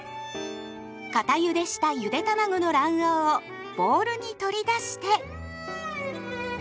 固ゆでしたゆでたまごの卵黄をボウルに取り出して。